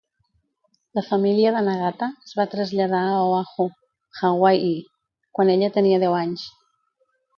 La família de Nagata es va traslladar a Oahu, Hawai'i, quan ella tenia deu anys.